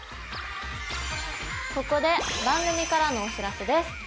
ここで番組からのお知らせです。